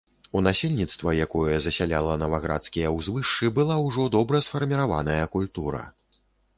У насельніцтва, якое засяляла наваградскія ўзвышшы, была ўжо добра сфарміраваная культура.